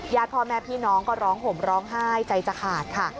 พ่อแม่พี่น้องก็ร้องห่มร้องไห้ใจจะขาดค่ะ